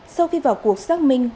sau khi vào cuộc xác minh